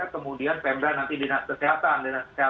kemudian pemda nanti dinas kesehatan